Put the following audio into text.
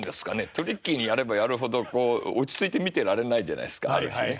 トリッキーにやればやるほどこう落ち着いて見てられないじゃないですかある種ね。